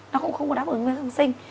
nó cũng không có đáp ứng với kháng sinh